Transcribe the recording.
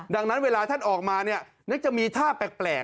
ดังนั้นเวลาท่านออกมาเนี่ยนึกจะมีท่าแปลก